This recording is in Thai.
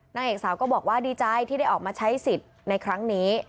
นางเอกสาวก็บอกว่าดีใจที่ได้ออกมาใช้สิทธิ์ในครั้งนี้